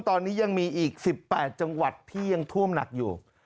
ตอนนี้ยังมีอีก๑๘จังหวัดที่ยังท่วมหนักอยู่